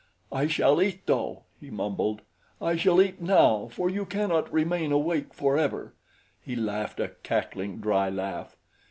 I shall eat though," he mumbled. "I shall eat now, for you cannot remain awake forever." He laughed, a cackling, dry laugh.